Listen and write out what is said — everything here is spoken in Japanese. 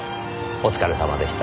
お疲れさまでした。